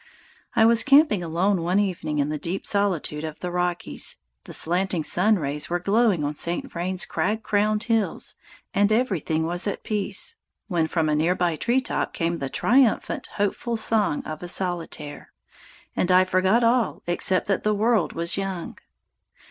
I was camping alone one evening in the deep solitude of the Rockies. The slanting sun rays were glowing on St. Vrain's crag crowned hills and everything was at peace, when, from a near by treetop came the triumphant, hopeful song of a solitaire, and I forgot all except that the world was young.